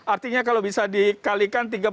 artinya kalau bisa dikalikan